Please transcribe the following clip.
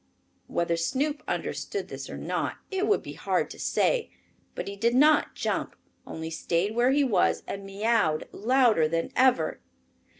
Whether Snoop understood this or not, it would be hard to say. But he did not jump, only stayed where he was and meowed louder than ever.